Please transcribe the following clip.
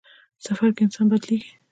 سفر کې انسان بدلېږي.